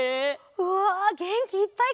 うわげんきいっぱいかけたね！